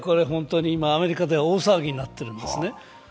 アメリカでは大騒ぎになってるんですね。